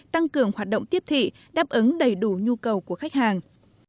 tăng cường hoạt động tiếp thị đáp ứng đầy đủ nhu cầu của khách hàng